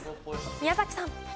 宮崎さん。